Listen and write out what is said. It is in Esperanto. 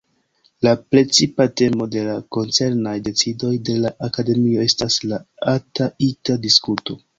La precipa temo de la koncernaj decidoj de la Akademio estas la ata-ita-diskuto.